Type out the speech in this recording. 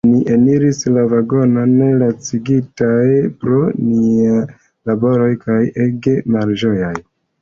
Ni eniris la vagonon lacigitaj pro nia laboro kaj ege malĝojaj.